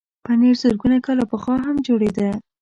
پنېر زرګونه کاله پخوا هم جوړېده.